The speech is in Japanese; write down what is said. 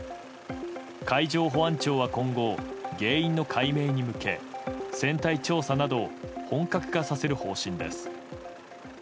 海上保安庁は今後原因の解明に向け船体調査などを本格化させる方針です。